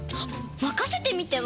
まかせてみては？